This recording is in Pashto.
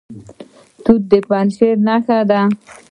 توت د پنجشیر نښه ده.